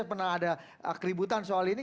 pernah ada keributan soal ini